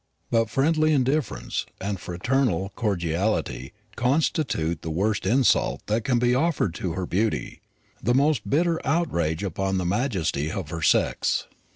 But friendly indifference and fraternal cordiality constitute the worst insult that can be offered to her beauty, the most bitter outrage upon the majesty of her sex.